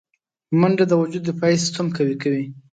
منډه د وجود دفاعي سیستم قوي کوي